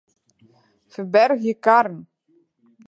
Ferbergje karren.